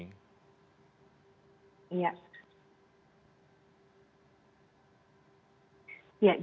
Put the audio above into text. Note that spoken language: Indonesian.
nanti di bulan mei